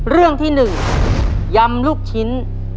เรื่องที่๑ยำลูกชิ้น